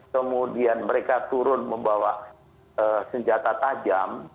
kemudian mereka turun membawa senjata tajam